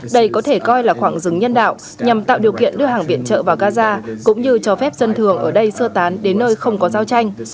đây có thể coi là khoảng dừng nhân đạo nhằm tạo điều kiện đưa hàng viện trợ vào gaza cũng như cho phép dân thường ở đây sơ tán đến nơi không có giao tranh